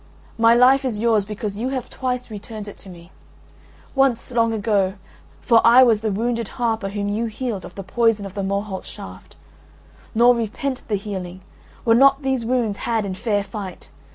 My life is yours because you have twice returned it me. Once, long ago: for I was the wounded harper whom you healed of the poison of the Morholt's shaft. Nor repent the healing: were not these wounds had in fair fight?